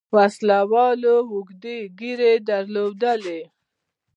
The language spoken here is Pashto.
وسله والو اوږدې ږيرې درلودې.